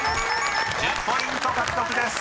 ［１０ポイント獲得です］